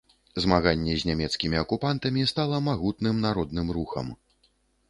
Змаганне з нямецкімі акупантамі стала магутным народным рухам.